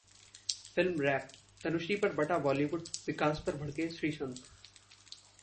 Film Wrap: Tanushree पर बंटा बॉलीवुड, विकास पर भड़के श्रीसंत